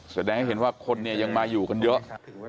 แสดงให้เห็นว่าคนเนี่ยยังมาอยู่กันเยอะ